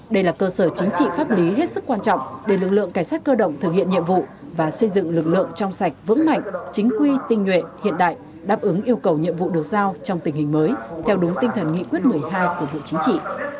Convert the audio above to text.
đây là cơ sở chính trị pháp lý hết sức quan trọng để lực lượng cảnh sát cơ động thực hiện nhiệm vụ và xây dựng lực lượng trong sạch vững mạnh chính quy tinh nhuệ hiện đại đáp ứng yêu cầu nhiệm vụ được giao trong tình hình mới theo đúng tinh thần nghị quyết một mươi hai của bộ chính trị